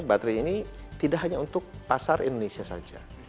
baterai ini tidak hanya untuk pasar indonesia saja